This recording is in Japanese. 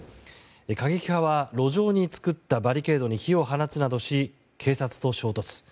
過激派は、路上に作ったバリケードに火を放つなどし警察と衝突。